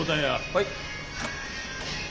はい。